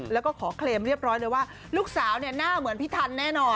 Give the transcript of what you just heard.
แล้วก็ขอเคลมเรียบร้อยเลยว่าลูกสาวเนี่ยหน้าเหมือนพี่ทันแน่นอน